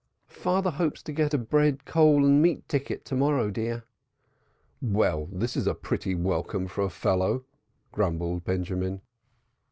"Father hopes to get a bread, coal and meat ticket to morrow, dear." "Well, this is a pretty welcome for a fellow!" grumbled Benjamin.